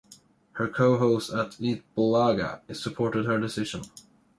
Her co-hosts at "Eat Bulaga" supported her decision.